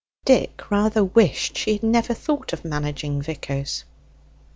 Dick rather wished she had never thought of managing vicars.